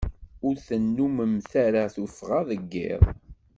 Ur tennumemt ara tuffɣa deg iḍ.